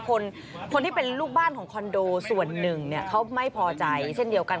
คนที่เป็นลูกบ้านของคอนโดส่วนหนึ่งเนี่ยเขาไม่พอใจเช่นเดียวกัน